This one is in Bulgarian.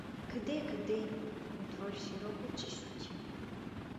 — Къде, къде? — отвори широко очи Шутия.